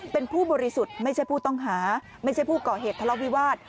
เป็นผู้บริสุทธิ์ไม่ใช่ผู้ต้องหาไม่ใช่ผู้ก่อเหตุทะเลาวิวาส